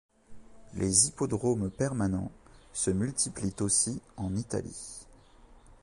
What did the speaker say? Les hippodromes permanents se multiplient aussi en Italie.